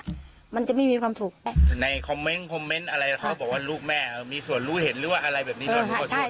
อะไรเขาบอกว่าลูกแม่มีส่วนรู้เห็นหรือว่าอะไรแบบนี้